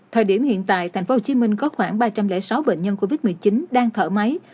thời điểm hiện tại tp hcm có khoảng ba trăm linh sáu bệnh nhân covid một mươi chín đang thở máy